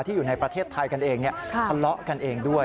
อยู่ในประเทศไทยกันเองทะเลาะกันเองด้วย